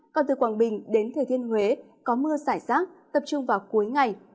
còn từ quảng bình đến thời thiên huế có mưa sải sát tập trung vào cuối ngày